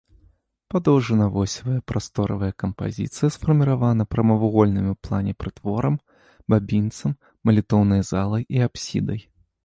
Падоўжана-восевая прасторавая кампазіцыя сфарміравана прамавугольнымі ў плане прытворам, бабінцам, малітоўнай залай і апсідай.